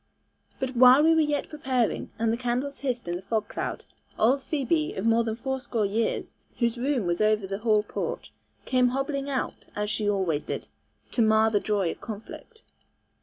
But while we were yet preparing, and the candles hissed in the fog cloud, old Phoebe, of more than fourscore years, whose room was over the hall porch, came hobbling out, as she always did, to mar the joy of the conflict.